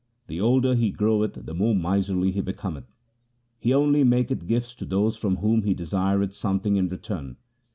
The older he groweth the more miserly he become th. He only maketh gifts to those from whom he desireth some thing in return.